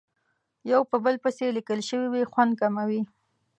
یو په بل پسې لیکل شوې وي خوند کموي.